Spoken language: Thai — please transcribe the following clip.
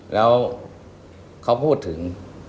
แล้วเขาพูดถึง